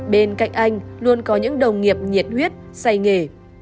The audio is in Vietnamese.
bên cạnh anh luôn có những đồng nghiệp nhiệt huyết say nghề